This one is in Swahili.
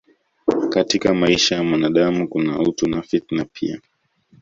Katika maisha ya mwanadamu kuna utu na fitna pia